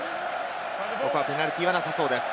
ここはペナルティーはなさそうです。